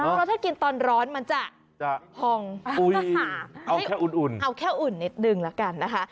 เพราะถ้ากินตอนร้อนมันจะห่องเอาแค่อุ่นนิดนึงแล้วกันนะคะ